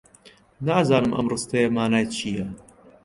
نازانم ئەم ڕستەیە مانای چییە.